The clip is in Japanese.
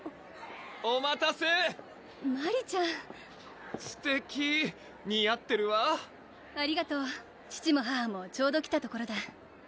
・お待たせマリちゃんすてきにあってるわありがとう父も母もちょうど来たところだ